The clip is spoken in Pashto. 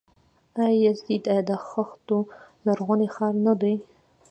آیا یزد د خښتو لرغونی ښار نه دی؟